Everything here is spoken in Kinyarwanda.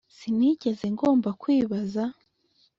sinigeze ngomba kwibaza